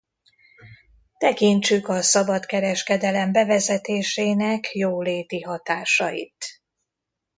Tekintsük a szabadkereskedelem bevezetésének jóléti hatásait.